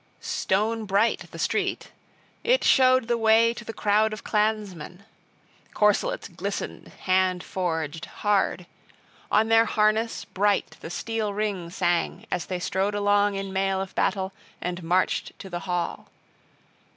V STONE BRIGHT the street: {5a} it showed the way to the crowd of clansmen. Corselets glistened hand forged, hard; on their harness bright the steel ring sang, as they strode along in mail of battle, and marched to the hall.